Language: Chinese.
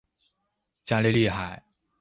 加利利海。